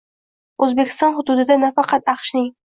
O‘zbekiston hududida nafaqat Aqshning